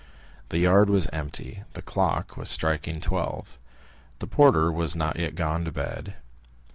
The yard was empty; the clock was striking twelve. The porter was not yet gone to bed.